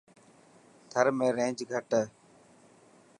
ٿر ۾ رينج گھٽ هي.